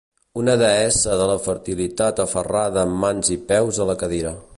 Una deessa de la fertilitat aferrada amb mans i peus a la cadira.